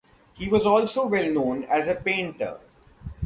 He was also well known as a painter.